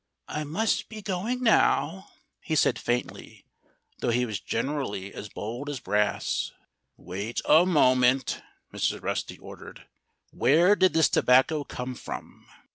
"I must be going now," he said faintly though he was generally as bold as brass. "Wait a moment!" Mrs. Rusty ordered. "Where did this tobacco come from?"